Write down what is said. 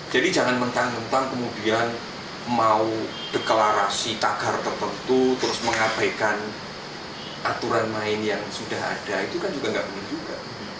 jadi jangan mentah mentah kemudian mau deklarasi takar tertentu terus mengabaikan aturan lain yang sudah ada itu kan juga gak benar juga